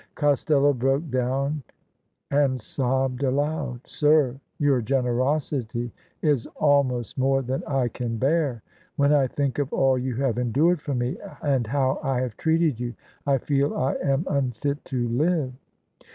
" Costello broke down and sobbed aloud. " Sir, your gen erosity is almost more than I can bear. When I think of all you have endured for me and how I have treated you, I feel I am unfit to live!